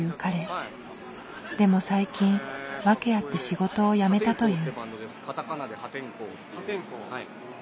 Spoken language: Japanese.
でも最近訳あって仕事を辞めたという。